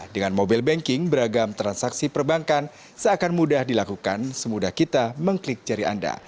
dengan mobile banking beragam transaksi perbankan seakan mudah dilakukan semudah kita mengklik jari anda